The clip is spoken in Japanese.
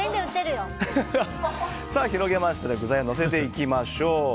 広げましたら具材をのせていきましょう。